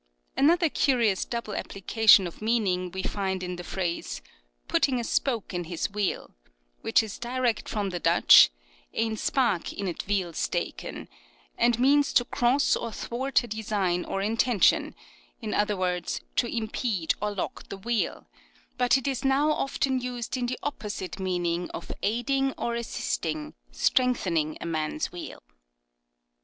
Another curious double application of meaning we find in the phrase, "Putting a spoke in his wheel," which is direct from the Dutch, " Een spaak in 't wiel steeken," and means to cross or thwart a design or inten tion — ^in other words, to impede or lock the wheel ; but it is now often used in the opposite POPULAR PROVERBS 271 meaning of aiding or assisting, strengthening a man's wheel.